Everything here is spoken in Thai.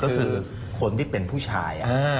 ก็คือคนที่เป็นผู้ชาย